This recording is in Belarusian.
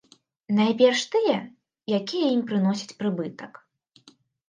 Найперш тыя, якія ім прыносяць прыбытак.